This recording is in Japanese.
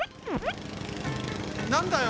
なんだよ。